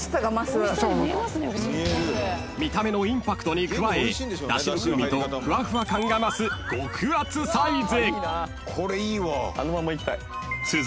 ［見た目のインパクトに加えだしの風味とふわふわ感が増す極厚サイズ］